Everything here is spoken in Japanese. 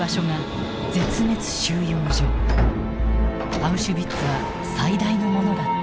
アウシュビッツは最大のものだった。